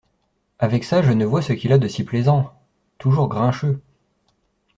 Avec ça, je ne vois ce qu’il a de si plaisant ! toujours grincheux !